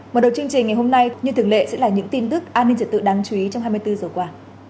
mở đầu chương trình ngày hôm nay như thường lệ sẽ là những tin tức an ninh trật tự đáng chú ý trong hai mươi bốn giờ qua